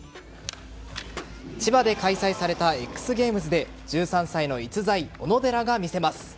千葉で開催されたＸゲームズで１３歳の逸材・小野寺が見せます。